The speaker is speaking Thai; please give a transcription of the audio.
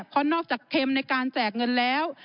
เพราะนอกจากเค็มในการแจกเงินแล้ว